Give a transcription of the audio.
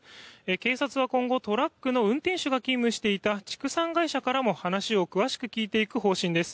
警察は今後、トラックの運転手が勤務していた畜産会社からも話を詳しく聞いていく方針です。